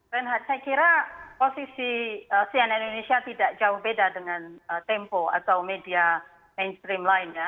renhat saya kira posisi cnn indonesia tidak jauh beda dengan tempo atau media mainstream lainnya